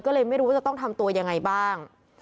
ก็เลยไม่รู้ว่าจะต้องทำตัวยังไงบ้าง